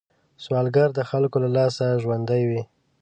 سوالګر د خلکو له لاسه ژوندی وي